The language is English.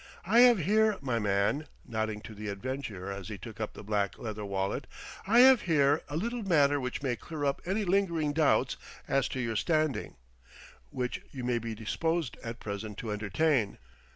I have here, my man," nodding to the adventurer as he took up the black leather wallet, "I have here a little matter which may clear up any lingering doubts as to your standing, which you may be disposed at present to entertain."